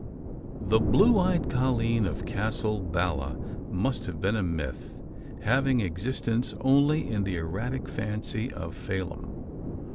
The "blue eyed colleen" of Castle Ballagh must have been a myth having existence only in the erratic fancy of Phelim.